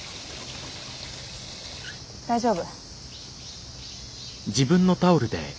大丈夫。